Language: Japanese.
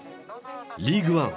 リーグワン